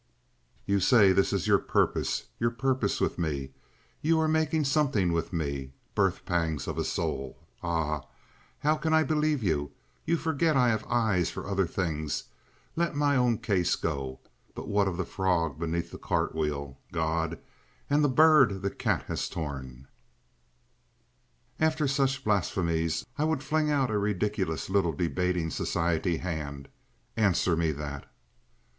"You say this is your purpose—your purpose with me. You are making something with me—birth pangs of a soul. Ah! How can I believe you? You forget I have eyes for other things. Let my own case go, but what of that frog beneath the cart wheel, God?—and the bird the cat had torn?" And after such blasphemies I would fling out a ridiculous little debating society hand. "Answer me that!"